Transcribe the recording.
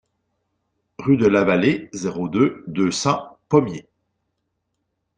Rue de la Vallée, zéro deux, deux cents Pommiers